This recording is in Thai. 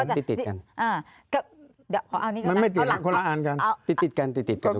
อ่าเดี๋ยวขอเอานี่ก็ได้มันไม่ติดนะคนละอันกันติดติดกันติดติดกัน